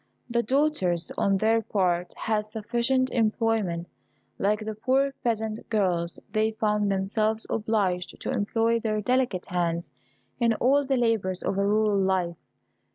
The daughters, on their part, had sufficient employment. Like the poor peasant girls, they found themselves obliged to employ their delicate hands in all the labours of a rural life.